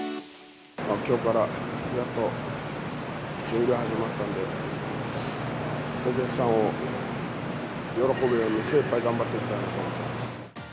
きょうからやっと巡業が始まったんで、お客さんを喜ぶように精いっぱい頑張っていきたいと思います。